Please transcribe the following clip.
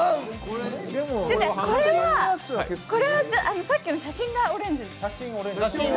これは、さっきの写真がオレンジ。